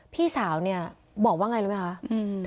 พี่สาวเนี่ยบอกว่าไงรู้ไหมคะ